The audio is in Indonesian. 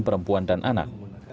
perempuan dan anak